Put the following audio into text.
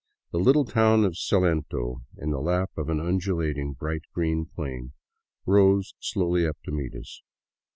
The little town of Salento, in the lap of an undulating, bright green plain, rose slowly up to meet us.